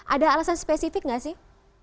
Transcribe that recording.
ada alasan spesifik nggak sih